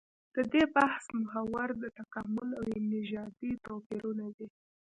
د دې بحث محور د تکامل او نژادي توپيرونه دي.